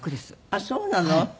あっそうなの？